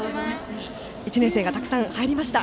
１年生がたくさん入りました。